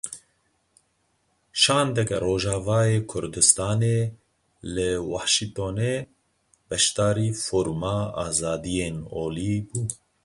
Şandeke Rojavayê Kurdistanê li Washingtonê beşdarî foruma azadiyên olî bû.